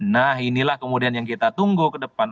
nah inilah kemudian yang kita tunggu ke depan